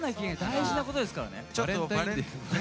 大事なことですからね。